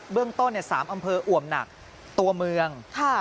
เบื้องต้นเนี่ยสามอำเภออว่ำหนักตัวเมืองค่ะ